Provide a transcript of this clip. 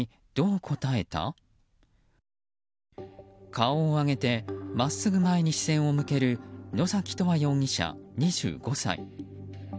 顔を上げて真っすぐ前に視線を向ける野崎永遠容疑者、２５歳。